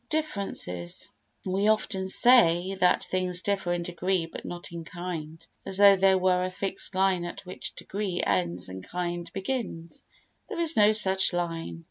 Differences We often say that things differ in degree but not in kind, as though there were a fixed line at which degree ends and kind begins. There is no such line.